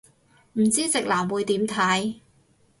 唔知直男會點睇